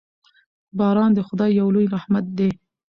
باران د خدای یو لوی رحمت دی.